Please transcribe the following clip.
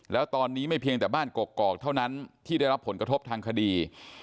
แล้วตอนนี้ไม่เพียงแต่บ้านกกอกเท่านั้นที่ได้รับผลกระทบทางคดี